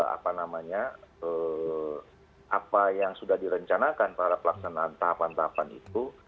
apa namanya apa yang sudah direncanakan para pelaksanaan tahapan tahapan itu